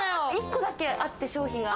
１個だけあって、商品が。